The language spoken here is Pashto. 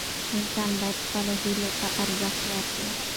انسان باید خپلو هیلو ته ارزښت ورکړي.